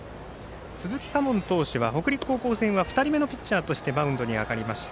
鈴木佳門投手は北陸高校戦は２人目のピッチャーとしてマウンドに上がりました。